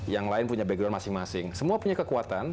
yang lain punya background masing masing semua punya kekuatan